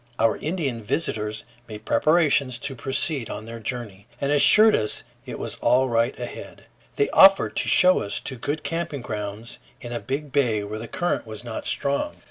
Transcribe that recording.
Our Indian visitors made preparations to proceed on their journey, and assured us it was all right ahead. They offered to show us to good camping grounds in a big bay where the current was not strong.